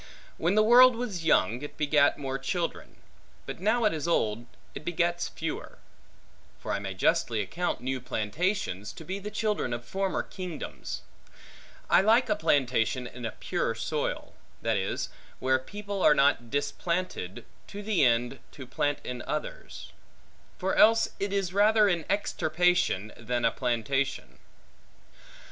When the world was young, it begat more children; but now it is old, it begets fewer: for I may justly account new plantations, to be the children of former kingdoms. I like a plantation in a pure soil; that is, where people are not displanted, to the end, to plant in others. For else it is rather an extirpation, than a plantation.